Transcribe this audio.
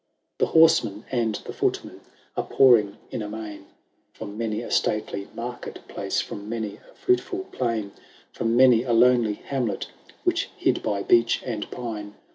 III. The horsemen and the footmen Are pouring in amain From many a stately market place ; From many a fruitful plain ; From many a lonely hamlet. Which, hid by beech and pine.